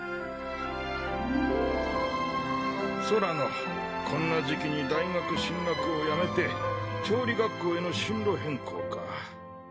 宙野こんな時期に大学進学をやめて調理学校への進路変更か。